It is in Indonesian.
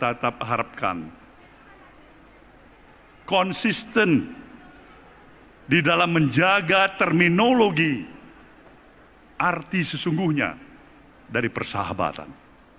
dan saya juga berharap saya akan tetap konsisten di dalam menjaga terminologi arti sesungguhnya dari persahabatan